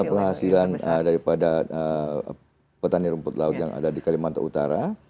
penghasilan daripada petani rumput laut yang ada di kalimantan utara